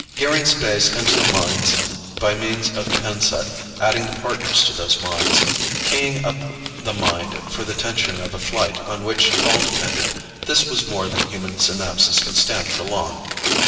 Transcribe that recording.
Gearing space into minds by means of the pin set, adding the Partners to those minds, keying up the mind for the tension of a fight on which all depended this was more than human synapses could stand for long.